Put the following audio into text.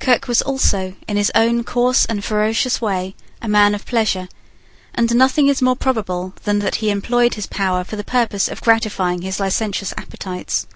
Kirke was also, in his own coarse and ferocious way, a man of pleasure; and nothing is more probable than that he employed his power for the purpose of gratifying his licentious appetites.